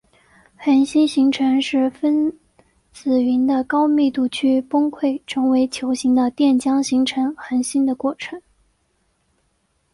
恒星形成是分子云的高密度区崩溃成为球形的电浆形成恒星的过程。